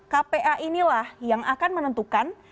kpa inilah yang akan menentukan